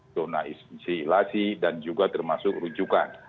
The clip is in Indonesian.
zona iskensi ilasi dan juga termasuk rujukan